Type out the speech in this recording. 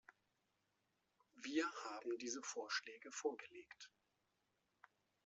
Wir haben diese Vorschläge vorgelegt.